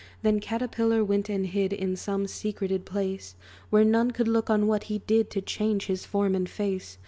Then Caterpillar went and hid In some secreted place, Where none could look on what he did To change his form and face.